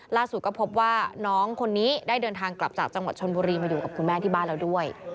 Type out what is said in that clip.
ก็พบว่าน้องคนนี้ได้เดินทางกลับจากจังหวัดชนบุรีมาอยู่กับคุณแม่ที่บ้านแล้วด้วย